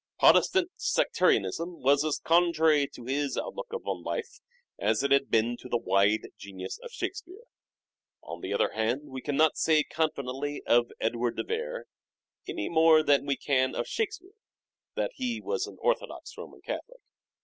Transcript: Protestant sectarianism was as contrary to his out MANHOOD OF DE VERB 355 look upon life as it is to the wide genius of Shake speare. On the other hand we cannot say confidently of Edward de Vere, any more than we can of Shake speare, that he was an orthodox Roman Catholic.